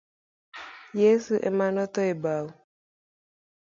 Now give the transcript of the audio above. Yeso emanotho e bao.